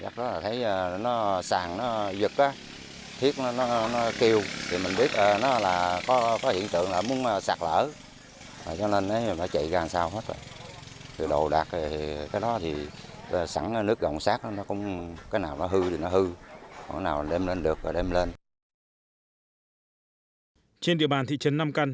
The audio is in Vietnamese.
trên địa bàn thị trấn nam căn có nhiều vụ sạt lở bờ sông làm thiệt hại